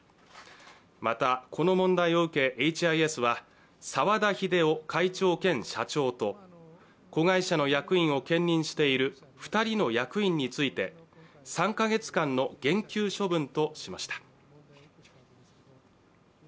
また、この問題を受けエイチ・アイ・エスは澤田秀雄会長兼社長と子会社の役人を兼任している２人の役員について３カ月間の減給処分としました。